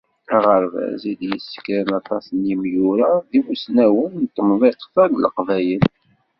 Aɣebaz i d-yesekkren aṭas n yimyura d yimussnawen n temḍiqt-a n Leqbayen.